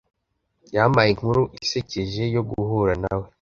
Yampaye inkuru isekeje yo guhura nawe.